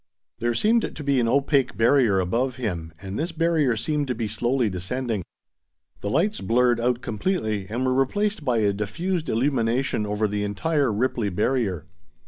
There seemed to be an opaque barrier above him, and this barrier seemed to be slowly descending. The lights blurred out completely, and were replaced by a diffused illumination over the entire ripply barrier.